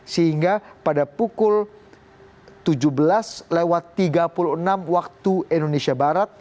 sehingga pada pukul tujuh belas lewat tiga puluh enam waktu indonesia barat